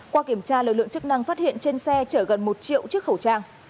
qua kiểm tra lực lượng chức năng phát hiện trên xe chở gần một triệu chiếc khẩu trang